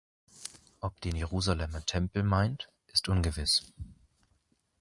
Ob den Jerusalemer Tempel meint, ist ungewiss.